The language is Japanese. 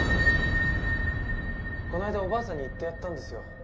この間おばあさんに言ってやったんですよ。